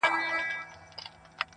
هر یوه وه را اخیستي تومنونه!